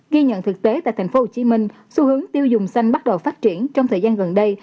ghi nhận thực tế tại tp hcm xu hướng tiêu dùng xanh bắt đầu phát triển trong thời gian gần đây